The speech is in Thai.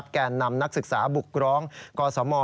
แก่นำนักศึกษาบุกร้องกสม